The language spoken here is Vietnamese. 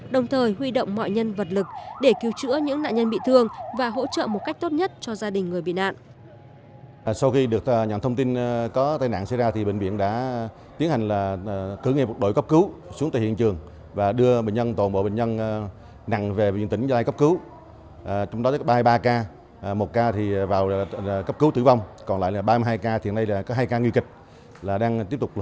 đồng thời huy động mọi nhân vật lực để cứu chữa những nạn nhân bị thương và hỗ trợ một cách tốt nhất cho gia đình người bị nạn